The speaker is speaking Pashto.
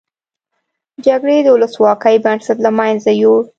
جګړې د ولسواکۍ بنسټ له مینځه یوړ.